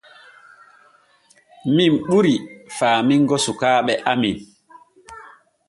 Min ɓuri faamingo sukaaɓe amen.